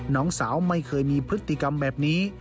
น้องสาวไม่เคยมีพฤติกรรมแบบนี้